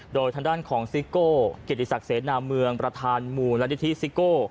โดยทางด้านของซิโก้เกียรติศักดิเสนาเมืองประธานมูลนิธิซิโก้